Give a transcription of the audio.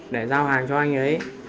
để giao hàng cho anh ấy